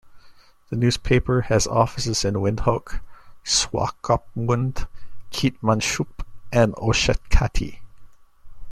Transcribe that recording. The newspaper has offices in Windhoek, Swakopmund, Keetmanshoop and Oshakati.